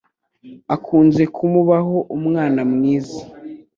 akunze kumubaho umwana mwiza